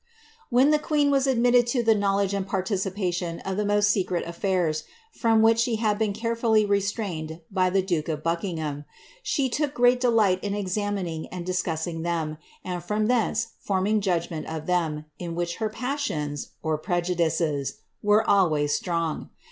^ When the queen was admitted to the knowledge and participttioo of the most secret affiiirs, (from which she had been carefully restrained by the duke of Buckingham,) she took great delight in examining and discussing them, and from thence forming judgment of them, in which her passions (prejudices) were always strong.